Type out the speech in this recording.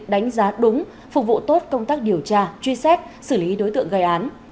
đánh giá đúng phục vụ tốt công tác điều tra truy xét xử lý đối tượng gây án